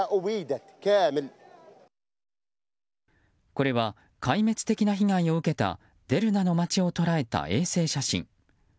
これは、壊滅的な被害を受けたデルナの街を捉えた衛星写真。